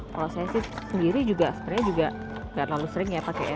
kalau saya sih sendiri juga sebenarnya juga nggak terlalu sering ya pakai ya